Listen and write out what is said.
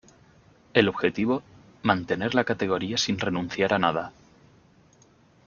El objetivo, mantener la categoría sin renunciar a nada.